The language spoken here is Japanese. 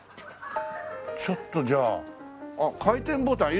ちょっとじゃあ「回転ボタン」。